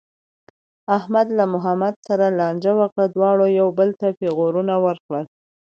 احمد له محمود سره لانجه وکړه، دواړو یو بل ته پېغورونه ورکړل.